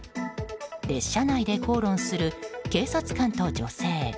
列車内で口論する警察官と女性。